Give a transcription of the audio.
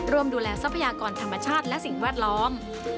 รวมดูแลทรัพยากรธรรมชาติและสิ่งแวดล้อม